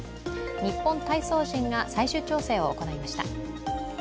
日本体操人が最終調整を行いました。